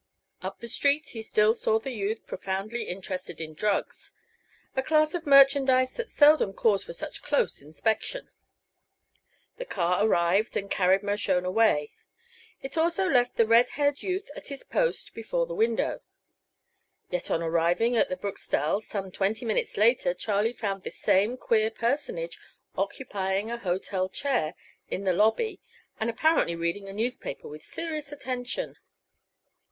Up the street he still saw the youth profoundly interested in drugs a class of merchandise that seldom calls for such close inspection. The car arrived and carried Mershone away. It also left the red haired youth at his post before the window. Yet on arriving at the Bruxtelle some twenty minutes later Charlie found this same queer personage occupying a hotel chair in the lobby and apparently reading a newspaper with serious attention.